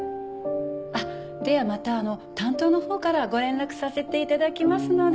あっではまた担当のほうからご連絡させて頂きますので。